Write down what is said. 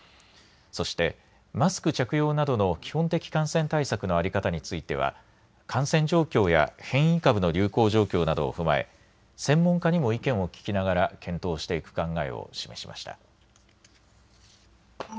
そしてマスク着用などの基本的感染対策の在り方については感染状況や変異株の流行状況などを踏まえ専門家にも意見を聴きながら検討していく考えを示しました。